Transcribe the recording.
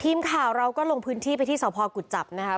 ทีมข่าวเราก็ลงพื้นที่ไปที่สพกุจจับนะคะ